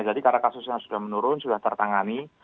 jadi karena kasusnya sudah menurun sudah tertangani